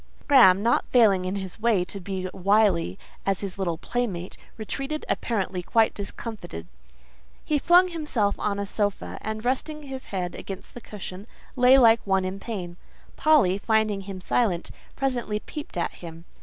Graham—not failing in his way to be as wily as his little playmate—retreated apparently quite discomfited; he flung himself on a sofa, and resting his head against the cushion, lay like one in pain. Polly, finding him silent, presently peeped at him.